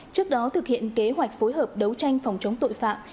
trước đó thực hiện kế hoạch phối hợp đấu tranh phòng chống tội phạm